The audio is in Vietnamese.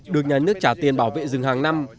được nhà nước trả tiền bảo vệ rừng hàng năm